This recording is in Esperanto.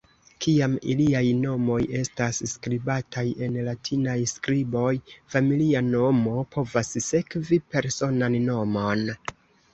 Kiam iliaj nomoj estas skribataj en latinaj skriboj, familia nomo povas sekvi personan nomon.